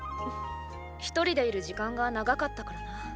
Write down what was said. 一人でいる時間が長かったからな。